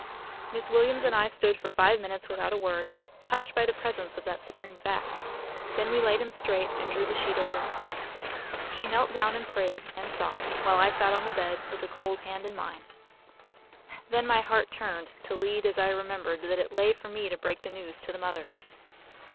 Miss Williams and I stood for five minutes without a word, hushed by the presence of that supreme fact. Then we laid him straight, and drew the sheet over him. She knelt down and prayed and sobbed, while I sat on the bed, with the cold hand in mine. Then my heart turned to lead as I remembered that it lay for me to break the news to the mother.